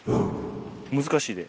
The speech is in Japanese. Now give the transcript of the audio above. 難しいで。